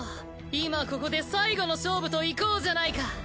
今ここで最後の勝負といこうじゃないか！